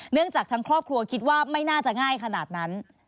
จากทั้งครอบครัวคิดว่าไม่น่าจะง่ายขนาดนั้น